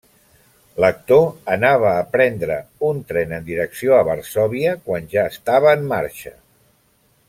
L'actor anava a prendre un tren en direcció a Varsòvia, que ja estava en marxa.